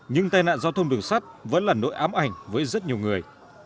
nhưng tai nạn giao thông đường sắt vẫn là nỗi ám ảnh với rất nhiều người